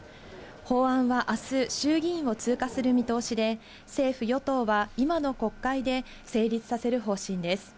法案はあす、衆議院を通過する見通しで、政府・与党は、今の国会で成立させる方針です。